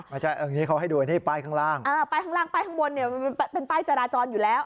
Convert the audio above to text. ไม่ใช่อันนี้เขาให้ดูอันนี้ป้ายข้างล่างเออป้ายข้างล่างป้ายข้างบนเนี่ยมันเป็นป้ายจราจรอยู่แล้ว